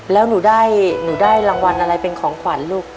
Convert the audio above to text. แล้วหนูได้รางวัลอะไรเป็นของขวัญลูก